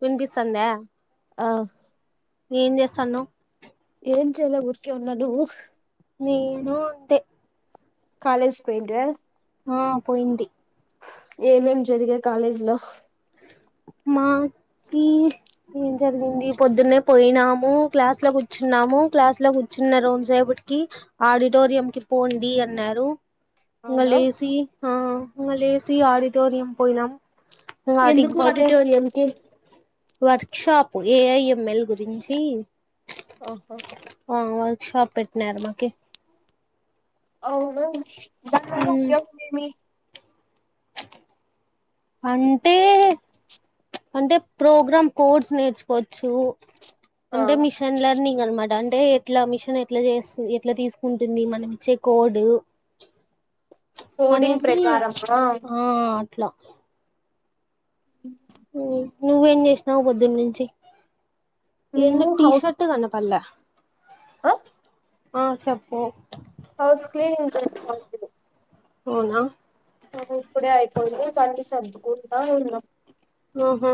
వినిపిస్తోందా ఆహ్ ఏం జెస్తానవ్ ఏం చేయలేదు ఊర్కే ఉన్నాను నువ్వు నేను తే కాలేజ్ పోయింటివా ఆ పోయింది ఏమేమి జరిగాయి కాలేజీలో మా కి ఏం జరిగింది పొద్దున్నె పోయినాము క్లాస్ల గూర్చున్నాము క్లాస్లో గూర్చునా రోజెప కీ ఆడిటోరియంకి పోండి అన్నారు అవునా ఇంగలేేసి ఇంగలేేసి ఆడిటోరియం పోయినాం ఇంగ ఆటికి ఎందుకు పోతే ఆడిటోరియం కి వర్క్ షాప్ ఏఐఎంఎల్ గురించి అ హ ఆ వర్క్ షాప్ పెట్నరు మాకి అవును దానివల్ల మ్మ్ ఉపయోగం ఏమి అంటే అంటే ప్రోగ్రామ్ కోడ్స్ నేర్చుకోవచ్చు ఆ అంటె మిషన్ లర్నింగ్ అనమాట అంటే ఎట్లా మిషన్ ఎట్లా జె ఎట్లా తీస్కుంటుంది మనం ఇచ్చే కోడు కోడింగ్ అనేసి ప్రకారమా ఆ అట్లా నువ్వేం జెష్ణవ్ పొద్దున్నుంచి ఎందో టీ షర్టు కనాపడ్లే అ ఆ చేప్పు హౌస్ క్లీనింగ్ చేస్తాంటిమి అవునా ఆ ఇప్పుడే అయిపోయింది బండి సర్దుకుంటా ఉన్నాం ఆహా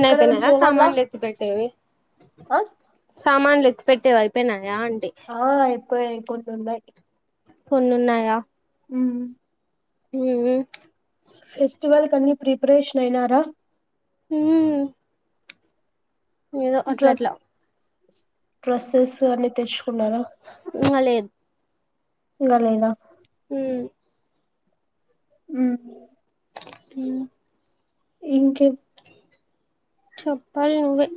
ఎక్కడైనా పోవాలా సామాన్లులెత్తిపెట్టేవి ఆ సామాన్లులెత్తి పెట్టేవి అయిపోయినా ఆ అయిపోయాయి ఇంకొన్ని ఉన్నాయ్ కొనున్నాయా మ్మ్ మ్మ్ ఫెస్టివల్ కన్ని ప్రిపరేషన్ అయినారా మ్మ్ ఏదో అట్లా అట్లా డ్రెస్సెసు అన్ని తెచ్చుకున్నారా లేదు ఇంగ లేదా మ్మ్ మ్మ్ మ్మ్ ఇంకేప్ చెప్పాలి నువ్వే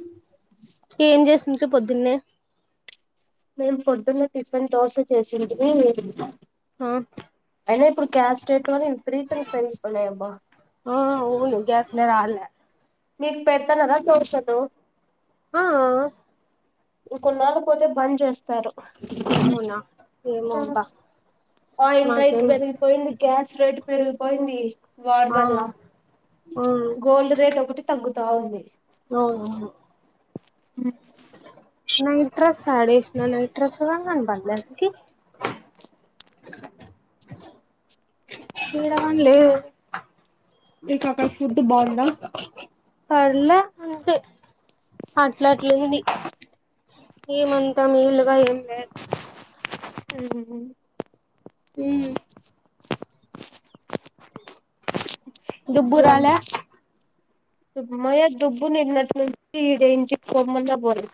ఏం చేసింట్రి పొద్దున్నే మేమ్ పొద్దున్నె టిఫిన్ దోస చేసింటిమి ఆ అయిన ఇప్పుడు క్యాష్డేట్లో విపరీతంగా పెరిగి పోయినాయబ్బ ఆ అవును గ్యాస్లే రాలే మీక్ పెడతాన్నరా దోశలు ఆ ఉంకొన్నాళ్లు పోతే బంజేస్తారు అవునా ఏమో అబ్బా ఆయిల్ రేట్ నాకేం పెరిగిపోయింది గ్యాస్ రేట్ పెరిగిపోయింది ఆ వార్మల్లా అవును గోల్డ్ రేట్ ఒకటి తగ్గుతా ఉంది అవునవును నైట్ డ్రెస్ యాడేసిన నైట్ డ్రెస్ కూడ కనపడలే అసల్ కి ఇడవన్ లేదు మీకు అక్కడ ఫుడ్ బావుందా పర్ల అంతే అట్లట్లుంది ఏమంతా మీలుగా ఏం లేదు ఉహ్మ్ ఊమ్ దుబ్బురాలా మయ్యా దుబ్బు నిన్నటి నుంచి దేనికి పోమన్న పోలె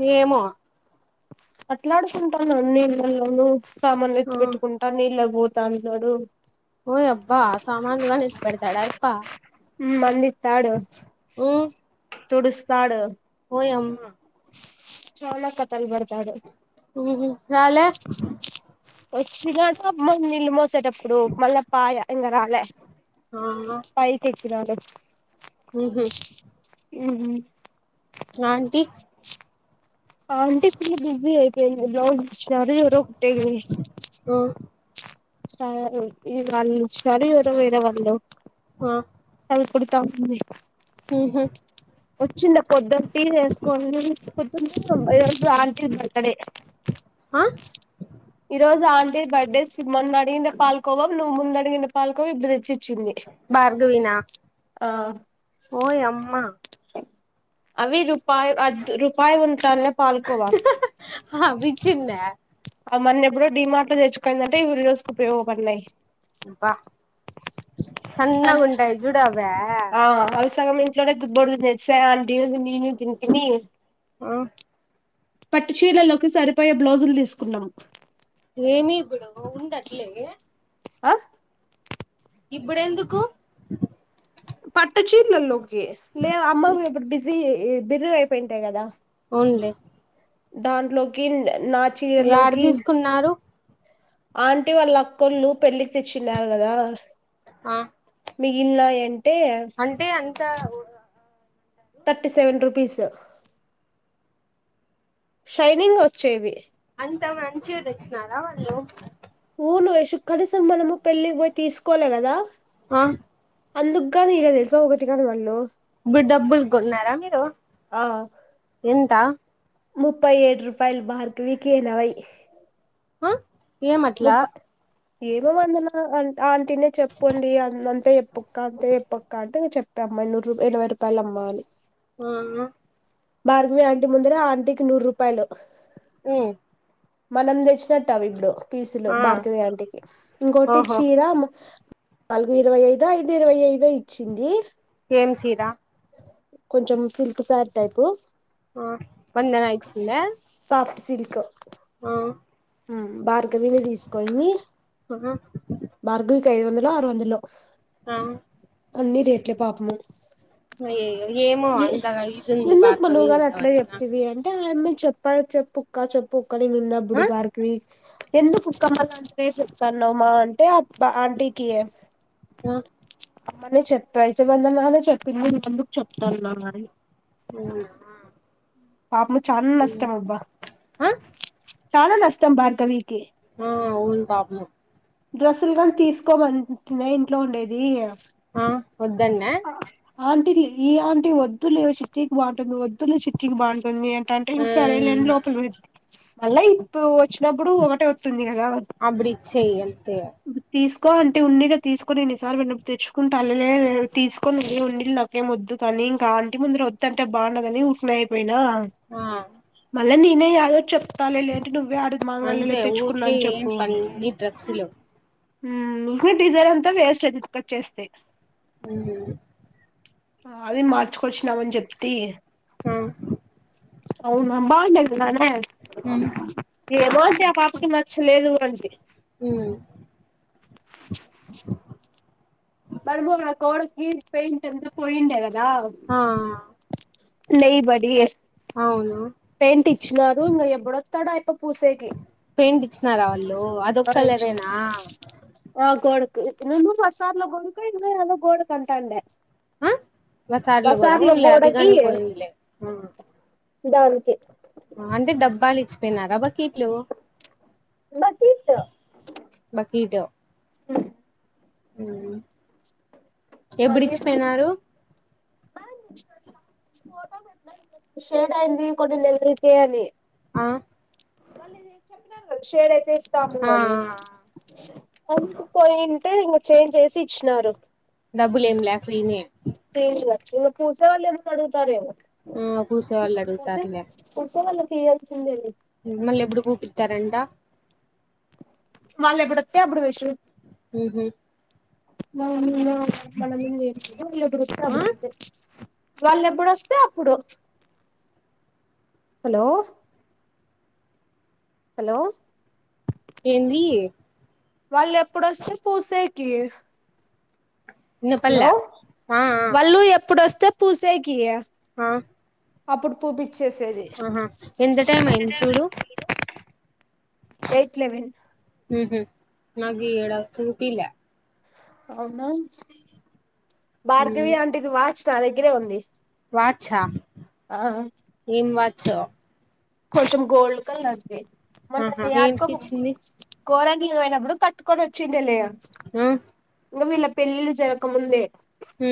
నేమో అట్లాడుకుంటాన నీళ్ళలోనూ సామాల్లు ఆ ఎత్ ఎత్తుకుంటా నీళ్ళక్ పో తన్నాడు ఓయ్ అబ్బా సామాన్లుగాని ఎత్తి పెడతాడా అయప్ప ఉమ్ మంది త్తాడు తుడుస్తాడు ఓ యమ్మ చోళ కతల్ బడ్తాడు ఉ మ్ రాల వచ్చిండట మ నీళ్ళు మోసేటప్పుడు మళ్ళా పాయ ఇంగ రాలే ఆఆ పిరాలె ఉహ్మ్ ఉహ్మ్ ఆంటి ఆంటి ఫుల్ బిసీ అయిపొయింది బ్లౌజ్ ఇచ్చినారు ఎవరో కుట్టి ఆ సారి ఇది వాళ్ళు ఇచ్చారు ఎవరో వేరే వల్లో అవి కుడుతా ఉంది ఉహ్మ్ వచ్చిండ పొద్దన్ టి చెసుకోని పొద్దున ఇచ్చినం ఈ రోజు ఆంటీ బర్త్ డే అ ఈరోజు ఆన్ టిది బర్డే మొన్న అడిగిందే పాల్కోవా నువ్ ముందడిగిన పాల్కోవ ఇప్పుడు తెచ్చి భార్గవినా ఆ ఓయ్ అమ్మా అవి రూపాయి అద్ రూపాయి ఉంటానే పాల్కోవా హ విచ్చిందా ఆ మొన్నేప్పుడో డిమార్ట్ లో తెచ్చుకొందంట ఈ రోజుకు ఉపయోగపడినయి అబ్బ సన్న గూంటయి జూడు అవ్వా ఇంట్లో నే దుద్బడుగు తెచ్చా అండి [unintelligible] తిన్ తినీ అ పట్టు చీర్లలోకి సరిపోయే బ్లౌజులు తీసుకున్నం ఏమీ ఇప్పుడు ఉండట్లే గే అస్ ఇప్పుడెందుకు పట్ట చీర్లల్లోకి లే అమ్మ ఇప్పుడు బిజీ బిర్రు గయిపోయింటయి గదా వులే దాంట్లోకి న్ నా యాడ చీరలోకి తీసుకున్నారు ఆంటీ వాళ్ళ అకోళ్ళు పెళ్ళికి ఇచ్చిన్నార్ కదా ఆ మిగిల్నాయంటే దవు థర్టీ సెవెన్ రూపీస్ షైనింగ్ ఓచ్చేవి అంత మంచివి తెచ్చినారా వాళ్ళు పూలు వేసుకు కనీసం మనము పెళ్లిక్ పోయి తీసుకోలే కదా ఆ అందుగానీ ఇళ తెలుసా ఒకటి కానీ కొన్న బిడ్ డబ్బులు కొంటున్ర మీరు ఆ ఎంత ముప్పై ఏడు రూపాయలు భార్గవికి నాయి ఆ ఏమట్లా ఏమో వందన అ ఆంటీనే చెప్పుండి అంతే చేప్పక్క అంతే చేప్పక్క అంటే చెప్ప తమ్మ ఇరున్ ఇరవై రూపాలు అమ్మ అని ఆ భార్గవి ఆంటీ ముందర ఆంటీకి నూరు రూపాయలూ మ్ మనం తెచ్చినటావి ఇప్పుడు పీసులు ఆ భార్గవి ఆంటీకి ఇంకోటి ఓహో చీర మ నాలుగు ఇరవై ఐదుదో ఐదు ఇరవై ఐదుదో ఇచ్చింది ఏం చీర కొంచెం సిల్క్ శారీ టైపు ఆ వందన ఇచ్చిందా సోఫ్ సిల్క్ ఆ మ్ భార్గవివే తీసుకొంది ఆహా భార్గవికి ఐదు వందలో ఆరు వందలో ఆ అన్ని రేట్లే పాపము మీ ఏ ఎందుకు నువ్వు కాదా అట్ల అవన్నీ నాకు చెప్తేవి అంటే చెప్ప చెప్పు అక్క చెప్పు ఆక్క నీనున్న ఆ పూడు భార్గవి ఎందుకు క్కమ్మలంత ఎసితునవ్ మా అంటే బ్ ఆ ఆంటీకి మ్మ్ అమ్మనే చెప్ప ఇతే బందమా అని చెప్పింది ముందుకు చెప్తాన్నా అని ఉహ్ పాపం చానా నష్టం అబ్బా ఆ చాలా నష్టం భార్గవి ఆ అవును పాపము డ్రెస్సులు కోనీ తీసుకోమంటున్నాయి ఇంట్లో ఉండేది వద్దు అన్నా ఇది ఇలాంటివి వద్దులే చిట్టికి బాగుంటుంది వద్దులే చిట్టికి బాగుంటుంది అంటే ఆ ఇంక సరేలేని లోపల పెడితే మళ్ళా ఇప్పు దాపుడు ఒకటే ఒతుంది కదా అప్పుడు ఇచ్చేయి అంతే తీసుకో అంటి ఉంది గా తీస్ కోన్ని ఇన్నీసార్లు ఉన్నపు తెచ్చుకుంట లే తీసుకోని నువ్వే ఉండిళ్లు నాకేం వద్దు కానీ ఇంకా ఆంటి ముందర ఓద్ అంటే బాగుండదని ఊట్న అయిపోయి ఆ మళ నేనే యాదోట్ చెప్ప తనులే అంటే నువ్వే ఆడు మాంగళ్యలో అంతే ఊరికే తెచ్చుకున్నాని చెప్పు ఏంటి అని అన్ని డ్రెస్సులు మ్ గు డీజర్ అంతా వేస్ట్ కట్ చేస్తే ఉహ్ ఆ అది మార్చుకొచ్చినామ్ అని చెప్పితి అ అవును బాగుండనే ఏమోండీ ఆ పాపకి నచ్చలేదు అంది బర్బో గోడకి పెయింట్ అంత పాయిండదే ఆ నే బడి ఏ అవున ప్రింట్ ఇచ్చినారు ఇంగ ఎవడొస్తాడు అయిపో పూసేకి పెయింట్ ఇచ్చినారా వాళ్ళు అ అదొక్క కలరేనా ఆ కో ఇ నేను ప్రశద్ కోడుకు ఇదా గోడు కంటాండే ఆ ప్రసాద్ కూడా వున్లే గోడకి అభిగాని పోయిన్లే దానికి అంటే డబ్బాలు ఇచ్చిపోయినారా బాకీట్లు బకిట్ ఆ మ్ ఎప్పుడు అది ఇచ్చి పోయినారు షేడ్ కొద్దిగా ఈపేయండి ఆ షేర్ అయితే షాప్ కి ఆ పోలి అందుకుపోయింటే ఇంక చేంజ్ చేసి ఇచ్చినారు డబ్బులు ఏమి లేపొయిని ఫీల్డ్ వచ్చునాకు కుశ ఏమో అడుగుతారేమో ఆ కూసే వాళ్ళు అడుగుతారులే వచ్చినోలేకే ఇయాల్సిందే మళ్ళీ ఎప్పుడు గుపితారంట వాళ్ళు ఎప్పుడు వస్తే అప్పుడు వైషూ ఉహు మనం ఏమో గురుతు ఆ వాళ్ళ ఎప్పుడుస్తే అప్పుడు హలో హలో ఏంది వాళ్ళు ఎప్పుడుస్తే పూసేకి హలో వినపల్లె ఆ ఆ వాళ్ళు ఎప్పుడొస్తే పూసేకి ఆ అప్పుడు పూపిచ్చేసేది ఆహా ఎంత టైం అయింది చూడు ఎయిట్ లెవెన్ మ్ మ్ నాకు ఈడ చూపిలే అవునా భార్గవి ఆంటీ ది వాచ్ నా దగ్గరే ఉంది వాచ్ ఆ ఆ ఎం వాచ్ ఓ కొంచం గోల్డ్ కలర్ ది ఆహా మొన్న అట్క బ ఏంటికిచ్చింది కోరంగి ఓయినప్పుడు కటుని వచ్చిండలి మ్ ఇంకా వీళ్ళ పెళ్లిళ్లు జరగకముందే మ్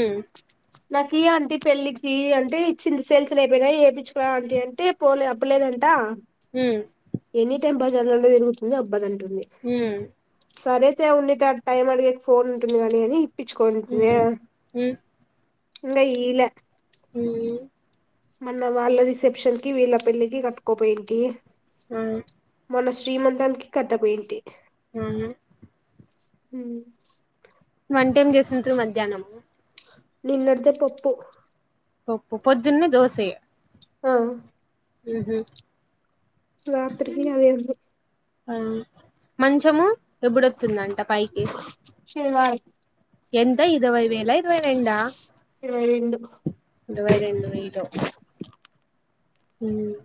నాకు ఇయి అంటీ పెళ్ళికి అంటే ఇచ్చింది సెల్స్ లేకపోయినా ఎపించుకో అంట అంటే పోలె చెప్పలేదు అంట మ్ మొత్తం బజార్ లాల తిరుగుతుంది అబ్బాలు అంటూదింటుంది ఉమ్ సరే న్ ఉండేది ఫోన్ ఉంటుంది కాని అని ఇప్పించుకోనింటుంది ఉమ్ ఇంకా ఈలా మ్ మన వాళ్ళ రిసెప్షన్కి వీళ్ళ పెళ్లికి కట్టుకోపోయింటి ఆ మొన్న శ్రీమంతానికి కట్ట పోయింటి హమ్ హమ్ వంటేమ్ చేసింట్రు మధ్యాహ్నము నిన్నటిదే పప్పు పొద్దున్నే దోసె ఆ ఉహ్మ్ రాత్రికి అదే అందొ ఆ మంచము ఎప్పుడోతుందంట పైకి శనివారం ఎంత ఇరవై వేలా ఇరవై రెండా ఇరవై రెండు ఇరవై రెండు వేయిలు ఉమ్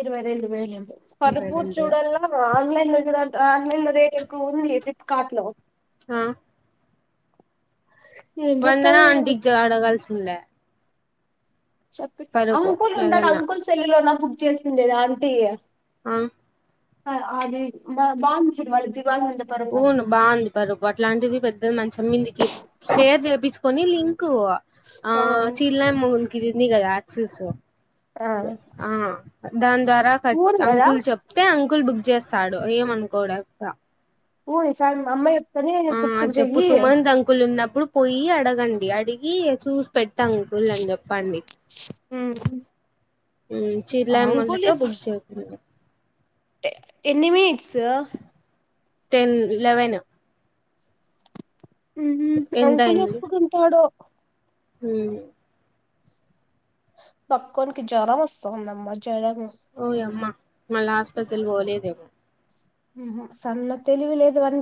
ఇరవై రెండు వేయిలు ఇరవై పరుపు రెండు వే చూడల్లా ఆన్లైన్ ఆన్లైన్ లో రేట్ ఎక్కువ ఉంది ఫ్లిప్కార్ట్ లో ఆ ఏం వందనా చెత్తారో ఏమో ఆంటికి జ అడగాల్సిందే చెప్పి అంకుల్ ఉంటడు ఏదన్నా అంకుల్ సెల్లులోన బుక్ చేసిండేదా ఆంటీ ఆ ఆ అది బాగుంది చూడు వాళ్ళ జు అవును బాగుంది పరుపు అట్లాంటిది పెద్దది మంచంమీందికి షేర్ చేపిచ్చుకొని లిం కు ఆ చీల్ న మౌన్కిఉంది కదా ఆక్సెస్ ఆ దాని ద్వారా క ఊరు కదా అంకుల్ చెప్తే అం ల్ బుక్ చేస్తాడు ఏమనుకోడట్ల ఊ స మా అమ్మా ఆ చెప్పు సుమంత్ అంకుల్ ఉన్నప్పుడు పోయి అడగం అడిగి చూసి పెట్టంకుల్ అని చెప్పండి ఉమ్ ఉమ్ చిలామ్మలతో బుక్ చేతుంది ఎన్ని మినిట్స్ టెన్ లెవెన్ ఉ హ్ అంకులు ఎప్పుడుంటాడో ఉమ్ పక్కోనికి జ్వరం వస్తాందమ్మ ఓయి అమ్మా మల్ల హాస్పితల్ పోలెదే ఊ హ్ సన్న తెలివి లేదు వాని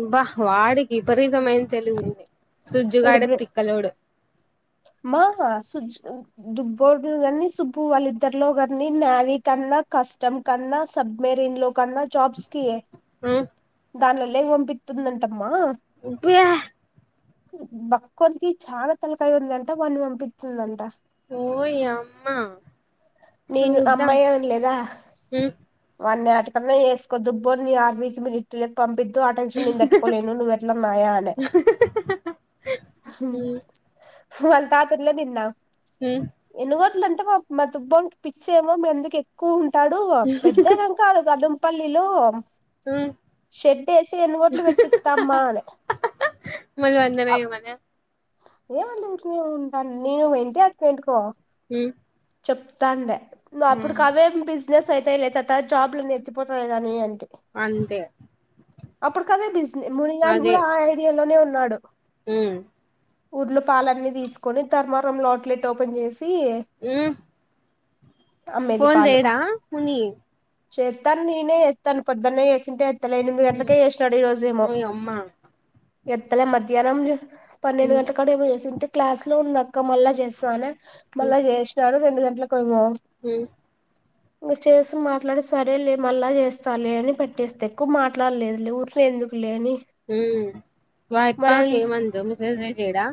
అబ్బ వాడికి విపరీతమైన తెలివి ఉంది వీడు సుజ్జుగాడే బ్రె తిక్కలోడు మా వ సుజ్జు దుబ్బోడు కానీ సుబ్బు వాళ్ళిద్దరిలో కాన్నీ నావికన్నా కస్టమ్ కన్నా సబ్మెరిన్ లో కన్నా జాబ్స్ కి ఉమ్ దాంట్ల లెవ్వనిపిత్తుందంటమ్మా ఉప్పుయా బక్కోన్కి చాలా తలకాయి ఉందంట వాన్నీ పంపిచ్చిందంట ఓయమ్మా నేను అమ్మాయిననలేదా ఉమ్ వాన్ని ఇక్కడన్నా వేసుకో ద్దుుబ్బో న్నీ ఆర్మీకి మీ ఇట్టుకి పంపిద్ ఆ టెన్షన్ నేను దట్టుకోలేను నువ్వెట్లన్నా నాయా అనే ఉమ్ ఉమ్ వాళ్ తాతల్లె నిన్నా మ్ ట్లు అంటే మా దుబ్బంట పిచ్చ ఏమో మీ అందుకు ఎక్కువ ఉంటాడు పెద్దనాంక కాడు కా పల్లిలో ఉమ్ షెడ్ ఎసి ఎన్నిగోట్లు పెట్టిత్తమ్మా అని మళ అందవేయ మన ఏ అం [unintelligible] ఉ చెప్తాండే ను్ అప్పుడుకి అవే బిజినెస్ అయితే లే తాత జాబ్లు నేత్తిపోతాయి కాని అని అంతే అప్పుడు కదే బిజినెస్ మునిగాడు అదే కూడా ఆ ఐడియాలోనే ఉన్నాడు. ఉమ్ ఉర్లపాలన్నీ తీసుకొని తర్మరం లాట్లెట్ ఓపెన్ చేసి ఉమ్ ఫోన్ చేయడా ముని చెత్తాను నేనే ఎత్తాను పొద్దున్నే చెసింటే ఎత్తలేను ఎనిమిది గంటలకె ఉమ్ చేసినాడు ఈ రోజేమో ఓయమ్మ ఎత్తలే మధ్యాహ్నం పన్నెండు ఉమ్ గంటల కడ ఏమో చేసింటే క్లాస్ లో ఉన్నాక్క మళ్ళా చేస్తానె ఉమ్ మళ్ళా చేసినాడు. రెండు గంట కైమ ఉమ్ చేసి మాట్లాడి సరే లే మళ్ళా చేస్తా లే అని పెట్టేస్తే ఎక్కువ మాట్లాడలేదు లే ఊరికనే ఎందుకు లే అని ఉమ్ వాయప్ప మనల్ని ఏమందో మెసేజె చేయడా?